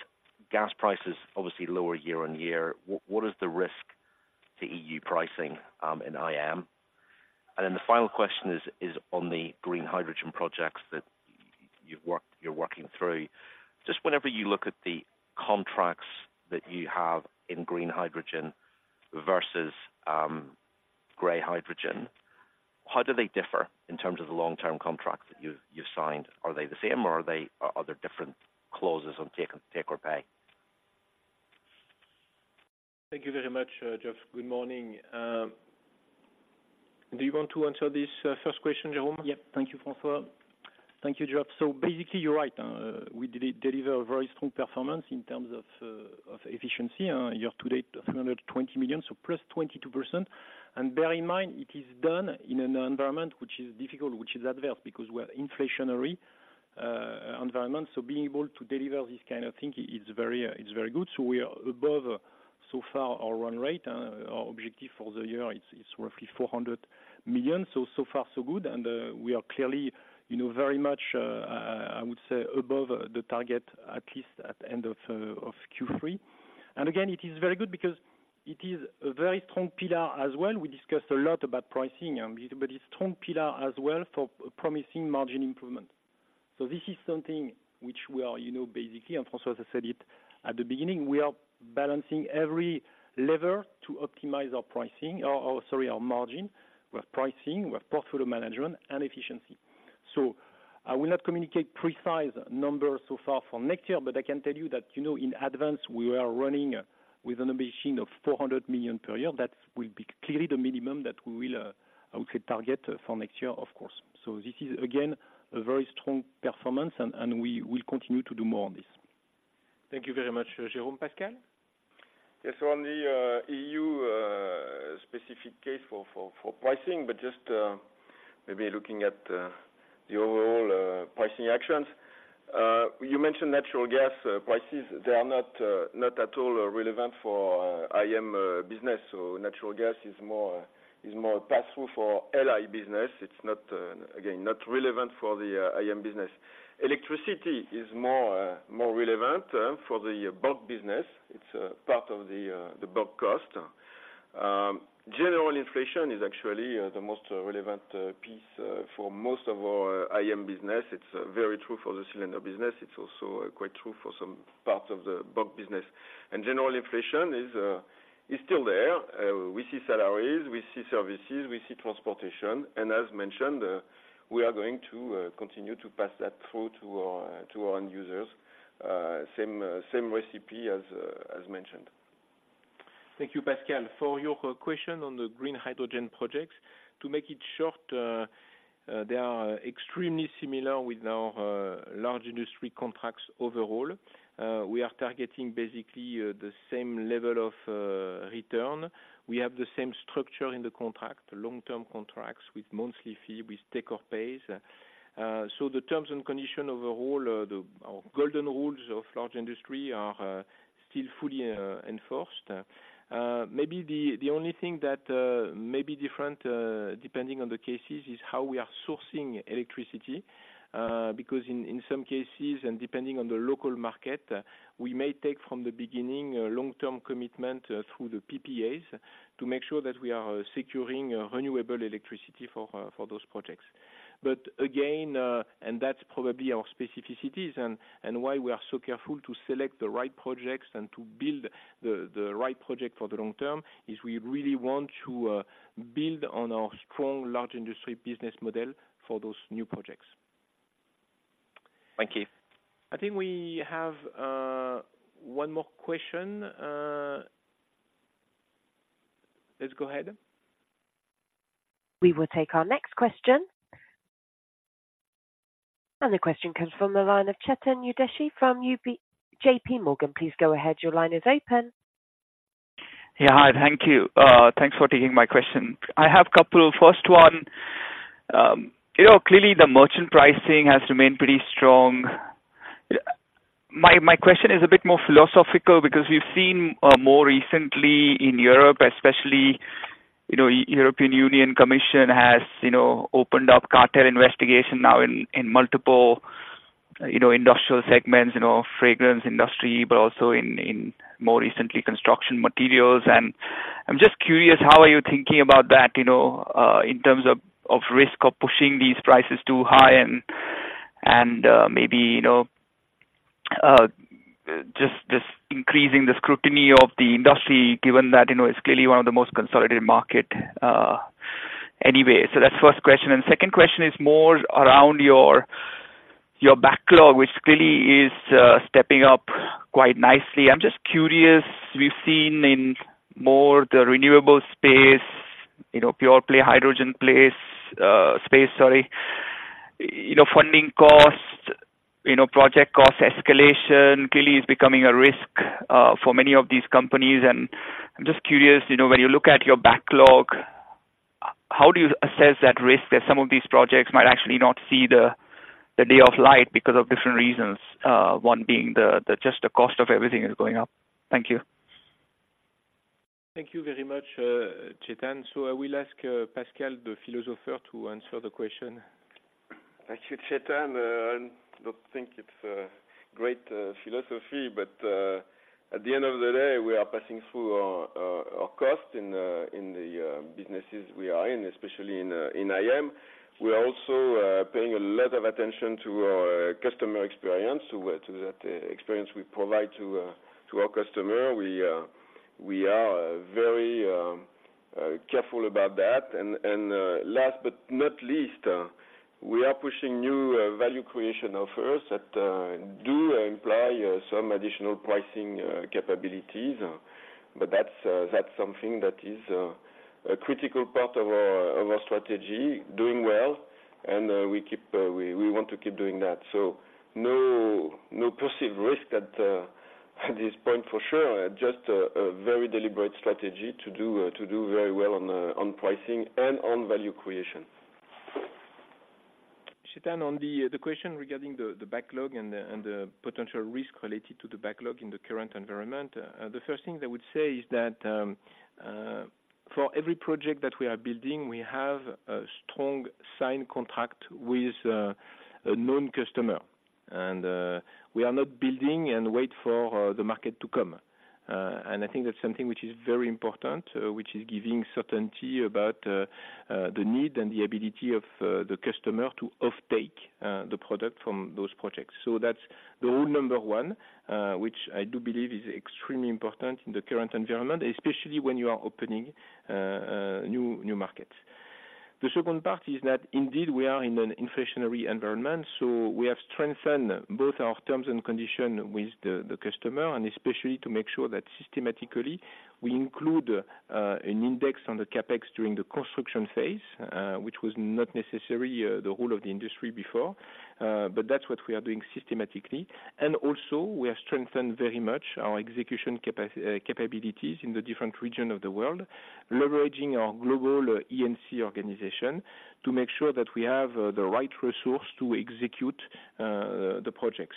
gas prices obviously lower year-on-year, what is the risk to EU pricing in IM? Then the final question is on the green hydrogen projects that you've worked—you're working through. Just whenever you look at the contracts that you have in green hydrogen versus gray hydrogen, how do they differ in terms of the long-term contracts that you've signed? Are they the same, or are there different clauses on take-or-pay? Thank you very much, Geoff. Good morning. Do you want to answer this first question, Jérôme? Yep. Thank you, François. Thank you, Geoff. So basically, you're right. We deliver very strong performance in terms of of efficiency year to date, 300 million, so +22%. And bear in mind, it is done in an environment which is difficult, which is adverse, because we're inflationary environment. So being able to deliver this kind of thing is very, is very good. So we are above, so far, our run rate. And our objective for the year is, is roughly 400 million. So, so far, so good. And, we are clearly, you know, very much, I would say, above the target, at least at end of Q3. And again, it is very good because it is a very strong pillar as well. We discussed a lot about pricing, but a strong pillar as well for promising margin improvement. So this is something which we are, you know, basically, and François has said it at the beginning, we are balancing every lever to optimize our pricing or, or sorry, our margin. We have pricing, we have portfolio management and efficiency. So I will not communicate precise numbers so far for next year, but I can tell you that, you know, in advance, we were running with an ambition of 400 million per year. That will be clearly the minimum that we will, I would say, target for next year, of course. So this is, again, a very strong performance and, and we will continue to do more on this. Thank you very much, Jérôme. Pascal? Yes. So on the EU specific case for pricing, but just maybe looking at the overall pricing actions. You mentioned natural gas prices. They are not at all relevant for IM business. So natural gas is more pass through for LI business. It's not again not relevant for the IM business. Electricity is more relevant for the bulk business. It's a part of the bulk cost. General inflation is actually the most relevant piece for most of our IM business. It's very true for the cylinder business. It's also quite true for some parts of the bulk business. And general inflation is still there. We see salaries, we see services, we see transportation. As mentioned, we are going to continue to pass that through to our end users. Same recipe as mentioned. Thank you, Pascal. For your question on the green hydrogen projects. To make it short, they are extremely similar with our Large Industries contracts overall. We are targeting basically the same level of return. We have the same structure in the contract, long-term contracts with monthly fee, with take-or-pays. So the terms and conditions overall, the our golden rules of Large Industries are still fully enforced. Maybe the only thing that may be different, depending on the cases, is how we are sourcing electricity. Because in some cases, and depending on the local market, we may take from the beginning a long-term commitment through the PPAs, to make sure that we are securing renewable electricity for those projects. But again, that's probably our specificities and why we are so careful to select the right projects and to build the right project for the long term, is we really want to build on our strong Large Industries business model for those new projects. Thank you. I think we have one more question. Let's go ahead. We will take our next question. The question comes from the line of Chetan Udeshi from JP Morgan. Please go ahead. Your line is open. Yeah, hi. Thank you. Thanks for taking my question. I have couple. First one, you know, clearly the Merchant pricing has remained pretty strong. My, my question is a bit more philosophical because we've seen, more recently in Europe, especially, you know, European Commission has, you know, opened up cartel investigation now in, in multiple, you know, industrial segments, you know, fragrance industry, but also in, more recently, construction materials. And I'm just curious, how are you thinking about that, you know, in terms of, of risk of pushing these prices too high and, and, maybe, you know, just, just increasing the scrutiny of the industry, given that, you know, it's clearly one of the most consolidated market, anyway. So that's first question. And second question is more around your, your backlog, which clearly is, stepping up quite nicely. I'm just curious, we've seen in more the renewable space, you know, pure play hydrogen space, sorry. You know, funding costs, you know, project cost escalation clearly is becoming a risk for many of these companies. And I'm just curious, you know, when you look at your backlog, how do you assess that risk that some of these projects might actually not see the day of light because of different reasons, one being just the cost of everything is going up. Thank you. Thank you very much, Chetan. So I will ask, Pascal, the philosopher, to answer the question. Thank you, Chetan. I don't think it's a great philosophy, but at the end of the day, we are passing through our cost in the businesses we are in, especially in IM. We are also paying a lot of attention to our customer experience, to that experience we provide to our customer. We are very careful about that. And last but not least, we are pushing new value creation offers that do imply some additional pricing capabilities. But that's something that is a critical part of our strategy, doing well, and we keep, we want to keep doing that. So no perceived risk at this point for sure. Just a very deliberate strategy to do very well on pricing and on value creation. Chetan, on the question regarding the backlog and the potential risk related to the backlog in the current environment. The first thing I would say is that, for every project that we are building, we have a strong signed contract with a known customer. And we are not building and wait for the market to come. And I think that's something which is very important, which is giving certainty about the need and the ability of the customer to offtake the product from those projects. So that's the rule number one, which I do believe is extremely important in the current environment, especially when you are opening new markets. The second part is that indeed we are in an inflationary environment, so we have strengthened both our terms and conditions with the, the customer, and especially to make sure that systematically we include an index on the CapEx during the construction phase, which was not necessary the whole of the industry before. But that's what we are doing systematically. And also we have strengthened very much our execution capabilities in the different region of the world, leveraging our global E&C organization to make sure that we have the right resource to execute the projects.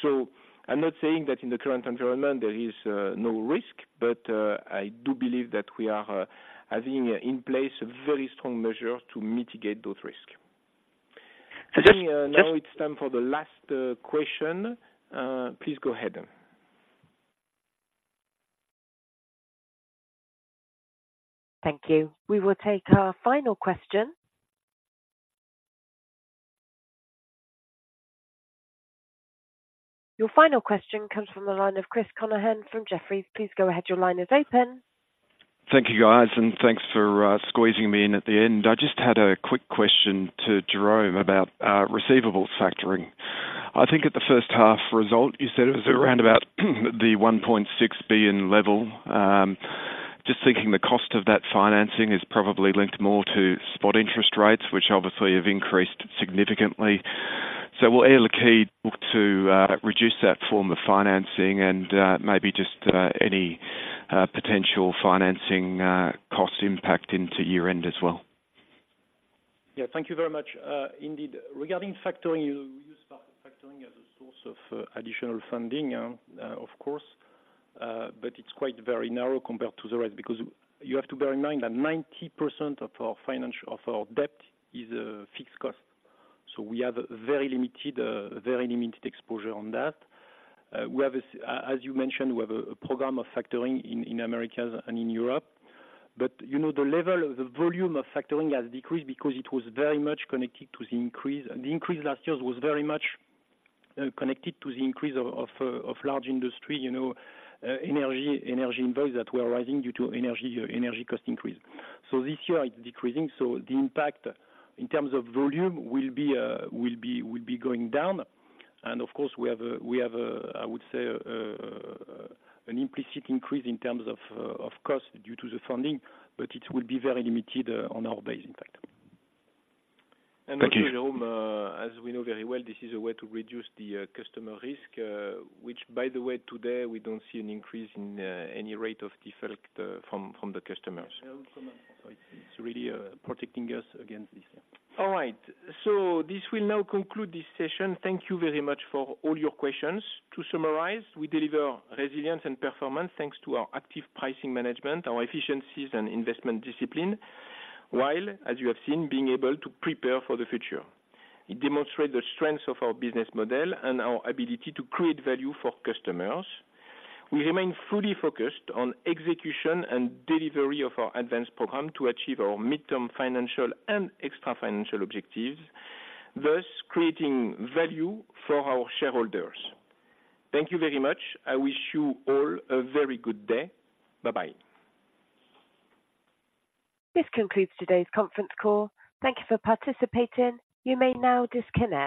So I'm not saying that in the current environment there is no risk, but I do believe that we are having in place a very strong measure to mitigate those risks. I think now it's time for the last question. Please go ahead. Thank you. We will take our final question. Your final question comes from the line of Chris Counihan from Jefferies. Please go ahead. Your line is open. Thank you, guys, and thanks for squeezing me in at the end. I just had a quick question to Jérôme about receivables factoring. I think at the first half result, you said it was around about the 1.6 billion level. Just thinking the cost of that financing is probably linked more to spot interest rates, which obviously have increased significantly. So will Air Liquide look to reduce that form of financing and maybe just any potential financing cost impact into year-end as well? Yeah, thank you very much. Indeed, regarding factoring, you use factoring as a source of additional funding, of course, but it's quite very narrow compared to the rest, because you have to bear in mind that 90% of our financial, of our debt is a fixed cost. So we have very limited, very limited exposure on that. We have, as you mentioned, we have a program of factoring in Americas and in Europe. But, you know, the level, the volume of factoring has decreased because it was very much connected to the increase. The increase last year was very much connected to the increase of Large Industries, you know, energy, energy invoice that were rising due to energy cost increase. So this year it's decreasing, so the impact in terms of volume will be going down. And of course, we have, I would say, an implicit increase in terms of cost due to the funding, but it will be very limited on our base, in fact. Thank you. And actually, Jérôme, as we know very well, this is a way to reduce the, customer risk, which, by the way, today, we don't see an increase in, any rate of default, from, from the customers. So it's really, protecting us against this. All right, so this will now conclude this session. Thank you very much for all your questions. To summarize, we deliver resilience and performance thanks to our active pricing management, our efficiencies and investment discipline, while, as you have seen, being able to prepare for the future. It demonstrates the strength of our business model and our ability to create value for customers. We remain fully focused on execution and delivery of our ADVANCE program to achieve our midterm financial and extra-financial objectives, thus creating value for our shareholders. Thank you very much. I wish you all a very good day. Bye-bye. This concludes today's conference call. Thank you for participating. You may now disconnect.